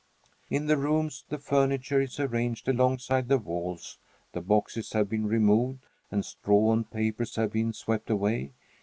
In the rooms the furniture is arranged alongside the walls, the boxes have been removed and straw and papers have been swept away.